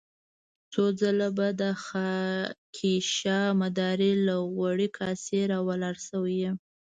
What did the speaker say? څو ځله به د خاکيشاه مداري له غوړې کاسې را ولاړ شوی يم.